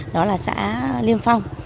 đó là xã liêm phong